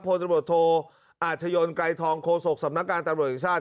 พลตำรวจโทอาชญนไกรทองโฆษกสำนักการตำรวจแห่งชาติ